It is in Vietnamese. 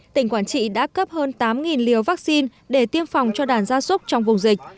tỉnh quảng trị đã cấp hơn tám liều vaccine để tiêm phòng cho đàn gia súc trong vùng dịch